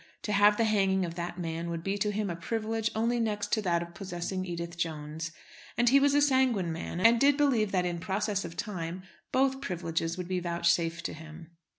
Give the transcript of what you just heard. To have the hanging of that man would be to him a privilege only next to that of possessing Edith Jones. And he was a sanguine man, and did believe that in process of time both privileges would be vouchsafed to him.